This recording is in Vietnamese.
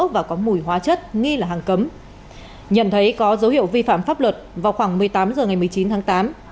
và có mùi hóa chất nghi là hàng cấm nhận thấy có dấu hiệu vi phạm pháp luật vào khoảng một mươi tám h ngày một mươi chín tháng tám